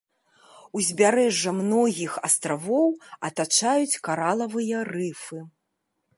Узбярэжжа многіх астравоў атачаюць каралавыя рыфы.